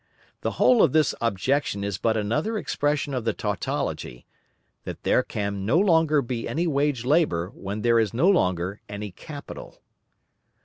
The whole of this objection is but another expression of the tautology: that there can no longer be any wage labour when there is no longer any capital.